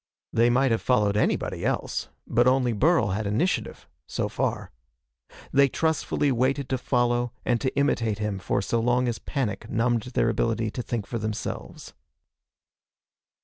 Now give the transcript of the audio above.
They might have followed anybody else, but only Burl had initiative so far. They trustfully waited to follow and to imitate him for so long as panic numbed their ability to think for themselves.